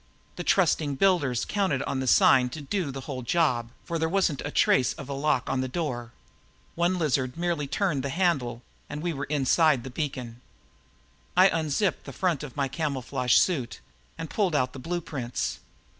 The trusting builders counted on the sign to do the whole job, for there wasn't a trace of a lock on the door. One lizard merely turned the handle and we were inside the beacon. I unzipped the front of my camouflage suit and pulled out the blueprints.